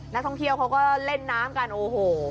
นักท่องเที่ยวเขาก็เล่นน้ำกันโอ้โห